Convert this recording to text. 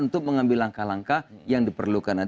untuk mengambil langkah langkah yang diperlukan